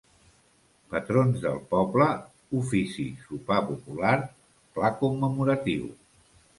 Patrons del poble, ofici, sopar popular, pla commemoratiu.